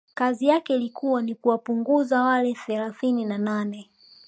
kazi yangu ilikuwa ni kuwapunguza wale thelathini na nane